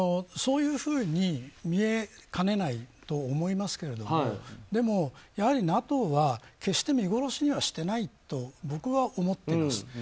そういうふうに見えかねないと思いますけれどもでも、ＮＡＴＯは決して見殺しにはしてないと僕は思っています。